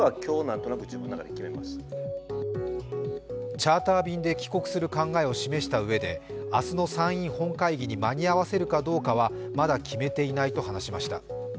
チャーター便で帰国する考えを示したうえで明日の参院本会議に間に合わせるかどうかはまだ決めていないと話しました。